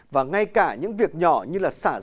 và ngay cả những việc nhỏ như là sản phẩm